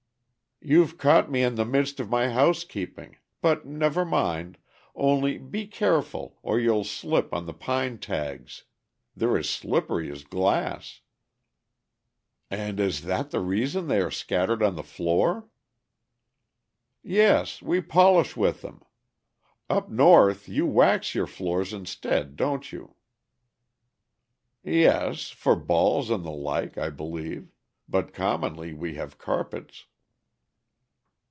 "You've caught me in the midst of my housekeeping, but never mind; only be careful, or you'll slip on the pine tags; they're as slippery as glass." "And is that the reason they are scattered on the floor?" "Yes, we polish with them. Up North you wax your floors instead, don't you?" "Yes, for balls and the like, I believe, but commonly we have carpets."